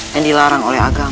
yang dilarang oleh agama